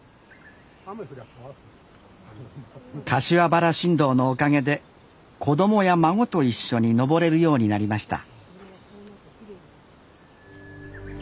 柏原新道のおかげで子供や孫と一緒に登れるようになりました